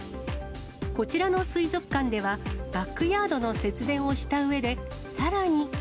こちらの水族館では、バックヤードの節電をしたうえで、さらに。